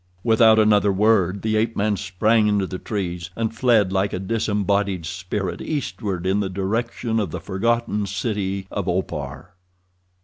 Without another word the ape man sprang into the trees and fled like a disembodied spirit eastward in the direction of the forgotten city of Opar.